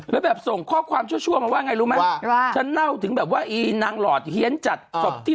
แล้วแบบส่งข้อความชั่วมาว่าไงรู้ไหมว่าฉันเล่าถึงแบบว่าอีนางหลอดเฮียนจัดศพที่